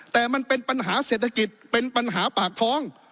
แต่มันเป็นปัญหาเศรษฐกิจเป็นปัญหาปากท้อง